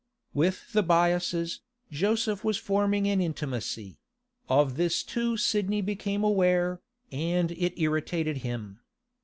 With the Byasses, Joseph was forming an intimacy; of this too Sidney became aware, and it irritated him.